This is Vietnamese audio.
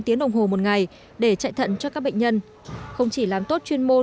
trong quá trình chạy thận cho các bệnh nhân